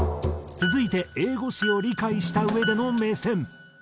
続いて英語詞を理解したうえでの目線。